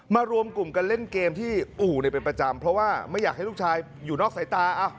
รวมกลุ่มกันเล่นเกมที่อู่เป็นประจำเพราะว่าไม่อยากให้ลูกชายอยู่นอกสายตา